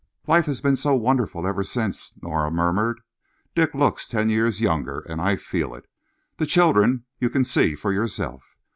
"Life has been so wonderful ever since," Nora murmured. "Dick looks ten years younger, and I feel it. The children you can see for yourself.